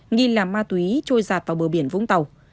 nghi làm ma túy trôi rạt vào bờ biển vũng tàu